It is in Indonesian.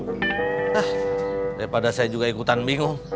hah daripada saya juga ikutan bingung